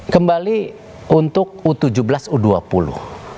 kembali untuk u tujuh belas u dua puluh